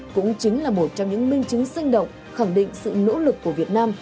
cũng chính là một trong những minh chứng sinh động khẳng định sự nỗ lực của việt nam